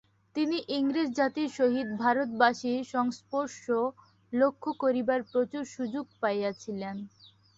তিনি ইংরেজ জাতির সহিত ভারতবাসীর সংস্পর্শ লক্ষ্য করিবার প্রচুর সুযোগ পাইয়াছিলেন।